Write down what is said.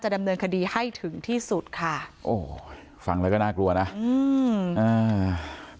ดำเนินคดีให้ถึงที่สุดค่ะโอ้ฟังแล้วก็น่ากลัวนะอืมอ่า